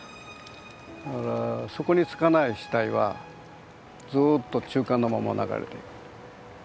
だから底につかない死体はずっと中間のまま流れていく。